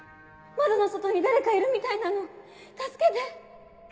窓の外に誰かいるみたいなの助けて！